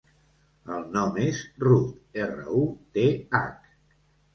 El nom és Ruth: erra, u, te, hac.